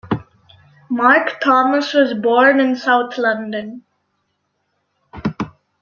Mark Thomas was born in South London.